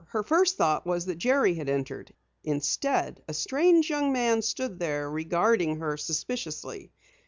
Her first thought was that Jerry had entered. Instead a strange young man stood there, regarding her suspiciously.